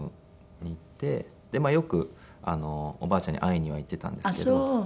でよくおばあちゃんに会いには行ってたんですけど。